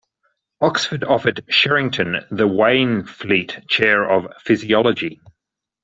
Oxford offered Sherrington the Waynflete Chair of Physiology.